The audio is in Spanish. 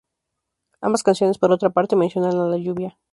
Ambas canciones, por otra parte mencionan a la lluvia.